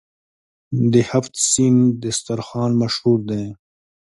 د هفت سین دسترخان مشهور دی.